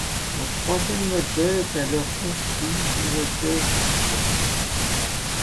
Un troisième modèle est alors construit, bimoteur cette fois.